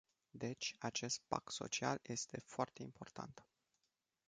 Deci, acest pact social este foarte important.